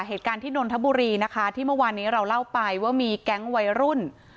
เหตุการณ์ที่นนทบุรีนะคะที่เมื่อวานนี้เราเล่าไปว่ามีแก๊งวัยรุ่น